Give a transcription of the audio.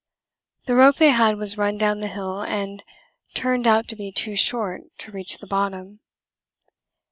The rope they had was run down the hill and turned out to be too short to reach the bottom.